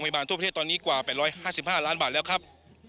โรงพยาบาลทั่วประเภทตอนนี้กว่าแปดร้อยห้าสิบห้าล้านบาทแล้วครับ